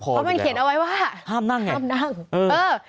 เพราะมันเขียนเอาไว้ว่าห้ามนั่งไง